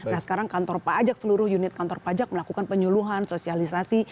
nah sekarang kantor pajak seluruh unit kantor pajak melakukan penyuluhan sosialisasi